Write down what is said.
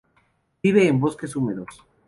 Vive en bosques húmedos.